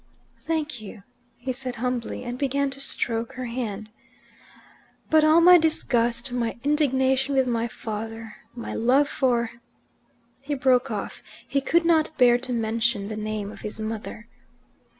"Thank you," he said humbly, and began to stroke her hand. "But all my disgust; my indignation with my father, my love for " He broke off; he could not bear to mention the name of his mother.